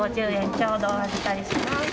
ちょうどお預かりします。